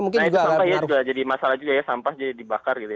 menanam sampah ya jadi masalah juga ya sampah jadi dibakar gitu ya